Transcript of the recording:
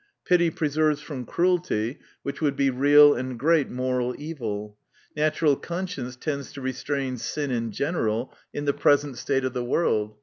Pity preserves from cruelty, which would be real and great moral evil. Natural conscience tends to restrain sin in general, in the present state of the world.